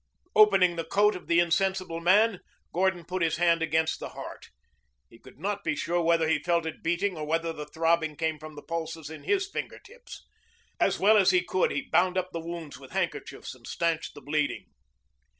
Opening the coat of the insensible man, Gordon put his hand against the heart. He could not be sure whether he felt it beating or whether the throbbing came from the pulses in his finger tips. As well as he could he bound up the wounds with handkerchiefs and stanched the bleeding.